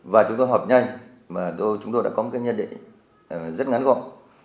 và chúng tôi họp nhanh mà chúng tôi đã có một cái nhận định rất ngắn gọn